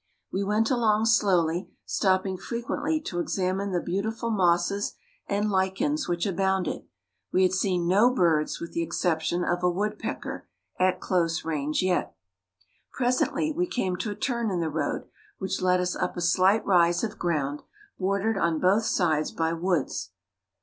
We went along slowly, stopping frequently to examine the beautiful mosses and lichens which abounded. We had seen no birds, with the exception of a woodpecker, at close range yet. Presently we came to a turn in the road which led us up a slight rise of ground, bordered on both sides by woods.